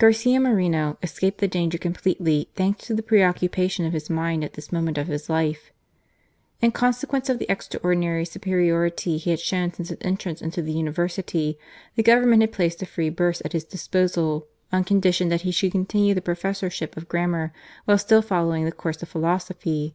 Garcia Moreno escaped the danger completely, thanks to the pre occupation of his mind at this moment of his life. In consequence of the extraordinary superiority he had shown since his entrance into the University, the Government had placed a free Burse at his disposal, on condition that he should continue the professorship of grammar, while still following the course of philosophy.